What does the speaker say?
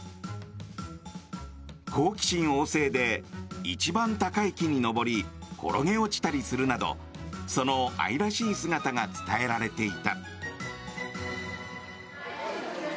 好奇心旺盛で、一番高い木に登り転げ落ちたりするなどその愛らしい姿が伝えられていた。